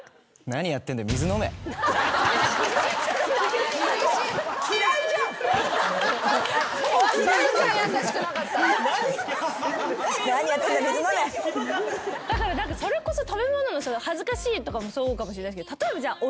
「何やってんだ水飲め」だからそれこそ食べ物の恥ずかしいとかもそうかもしれないですけど例えばじゃあ。